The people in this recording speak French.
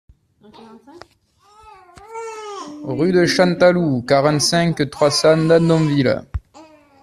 Rue de Chantaloup, quarante-cinq, trois cents Dadonville